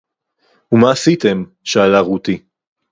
"וּמֶה עֲשִׂיתֶם?" שָׁאֲלָה רוּתִי